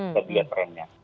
kita lihat trennya